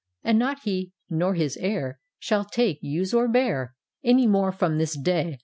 And not he nor his heir Shall take, use or bear, Any more from this day.